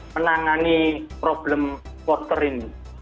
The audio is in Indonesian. menangani problem supporter ini